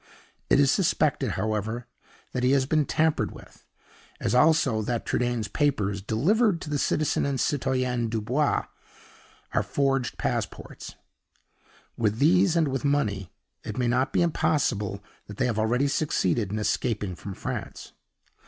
It is suspected, however, that he has been tampered with, as also that Trudaine's papers, delivered to the citizen and citoyenne Dubois, are forged passports. With these and with money, it may not be impossible that they have already succeeded in escaping from France.